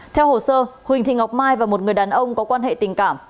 theo hồ sơ huỳnh thị ngọc mai và một người đàn ông có quan hệ tình cảm